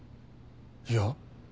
いや。